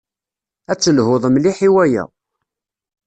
Ad telhuḍ mliḥ i waya.